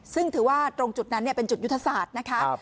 ซึ่งถือว่าตรงจุดนั้นเป็นจุดยุทธศาสตร์นะคะ